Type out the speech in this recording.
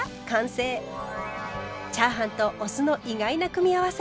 チャーハンとお酢の意外な組み合わせ。